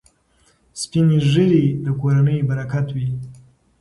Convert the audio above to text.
سپین ږیري د کورنۍ برکت وي.